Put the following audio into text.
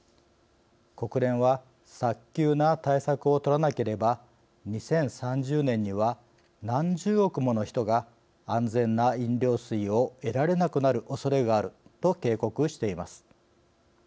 国連は早急な対策を取らなければ２０３０年には何十億もの人が安全な飲料水を得られなくなるおそれがあると警告しています。